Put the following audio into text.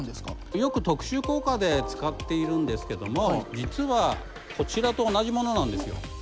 よく特殊効果で使っているんですけども実はこちらと同じものなんですよ。